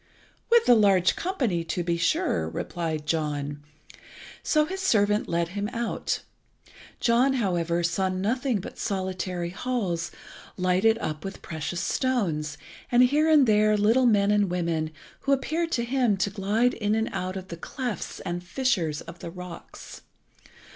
"With the large company, to be sure," replied John. So his servant led him out. John, however, saw nothing but solitary halls lighted up with precious stones, and here and there little men and women, who appeared to him to glide in and out of the clefts and fissures of the rocks.